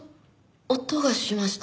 音がしました。